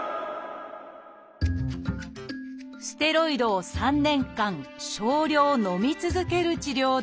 ステロイドを３年間少量のみ続ける治療です